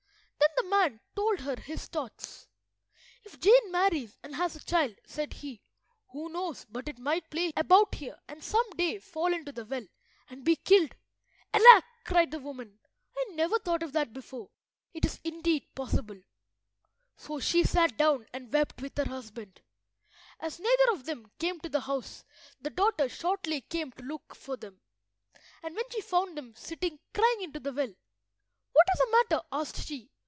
Then the man told her his thoughts— "If Jane marries and has a child," said he, "who knows but it might play about here and some day fall into the well and be killed?" "Alack!" cried the woman, "I never thought of that before. It is, indeed, possible." So she sat down and wept with her husband. As neither of them came to the house the daughter shortly came to look for them, and when she found them sitting crying into the well— "What is the matter?" asked she.